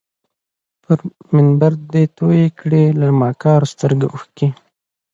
پر منبر دي ډیري توی کړې له مکارو سترګو اوښکي